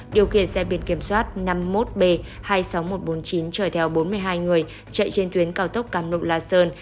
điều kiện xe biên kiểm soát năm mươi một b hai mươi sáu nghìn một trăm bốn mươi chín chở theo bốn mươi hai người chạy trên tuyến cầu tốc càm lộ la sơn